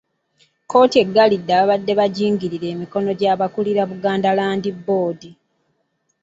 Kkooti eggalidde ababadde bagingirira emikono gy’abakulira Buganda Land Board.